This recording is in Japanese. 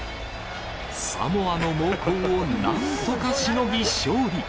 サモアの猛攻をなんとかしのぎ、勝利。